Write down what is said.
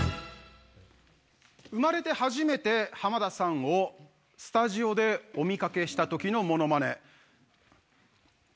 生まれて初めて浜田さんをスタジオでお見かけしたときのモノマネ。